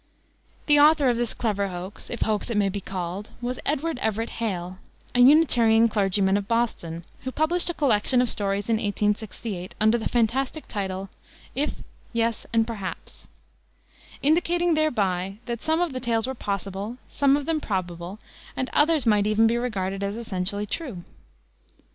The author of this clever hoax if hoax it may be called was Edward Everett Hale, a Unitarian clergyman of Boston, who published a collection of stories in 1868, under the fantastic title, If, Yes, and Perhaps, indicating thereby that some of the tales were possible, some of them probable, and others might even be regarded as essentially true.